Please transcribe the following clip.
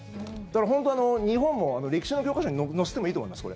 だから本当、日本も歴史の教科書に載せてもいいと思います